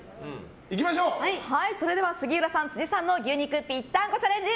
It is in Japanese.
杉浦さん、辻さんの牛肉ぴったんこチャレンジ